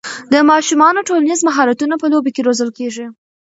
د ماشومانو ټولنیز مهارتونه په لوبو کې روزل کېږي.